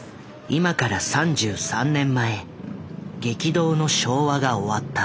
今から３３年前激動の昭和が終わった。